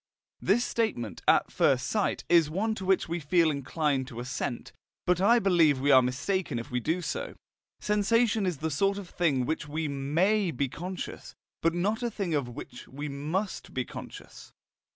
This statement, at first sight, is one to which we feel inclined to assent, but I believe we are mistaken if we do so. Sensation is the sort of thing of which we MAY be conscious, but not a thing of which we MUST be conscious.